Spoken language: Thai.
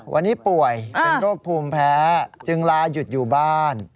วันนี้ป่วยเป็นโรคภูมิแพ้จึงลาหยุดอยู่บ้าน